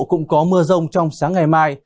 cũng có mưa rông trong sáng ngày mai